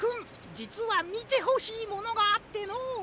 じつはみてほしいものがあってのう。